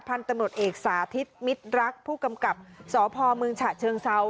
พันธุ์ตำรวจเอกสาธิตมิตรรักผู้กำกับสพเมืองฉะเชิงเซา